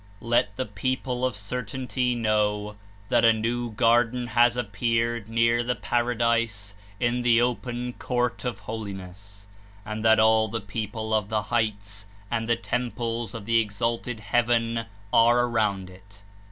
Let the people of certainty know that a new Garden has ap peared near the Paradise in the Open Court of Holi ness, and that all the people of the Heights and the temples of the exalted Heaven are around it.'